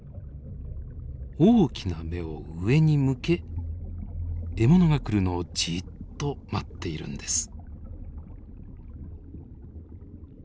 大きな目を上に向け獲物が来るのをじっと待っているんです。